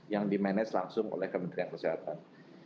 yang dimanage langsung oleh kementerian kesehatan